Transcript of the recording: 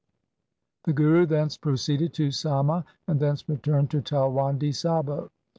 1 The Guru thence proceeded to Samma and thence returned to Talwandi Sabo.